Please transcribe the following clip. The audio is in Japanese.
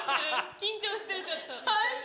緊張してるちょっと。